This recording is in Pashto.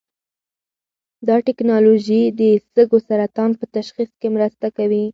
دا ټېکنالوژي د سږو سرطان په تشخیص کې مرسته کوي.